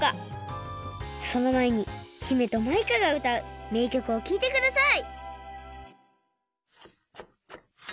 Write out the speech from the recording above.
そのまえに姫とマイカがうたうめいきょくをきいてください！